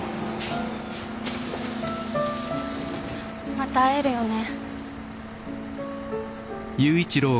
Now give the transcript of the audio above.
また会えるよね？